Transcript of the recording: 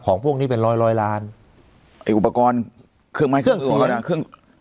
ของพวกนี้เป็นร้อยร้อยร้านไอ้อุปกรณ์เครื่องหมายเครื่องอื่น